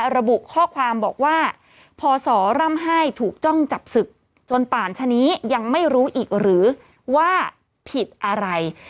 ระบุข้อความบอกว่าพศร่ำไห้ถูกจ้องจับศึกจนป่านชะนี้ยังไม่รู้อีกหรือว่าผิดอะไร